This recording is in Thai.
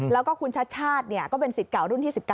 แล้วก็คุณชัดชาติก็เป็นสิทธิ์เก่ารุ่นที่๑๙